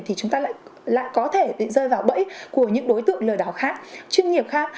thì chúng ta lại có thể rơi vào bẫy của những đối tượng lừa đảo khác chuyên nghiệp khác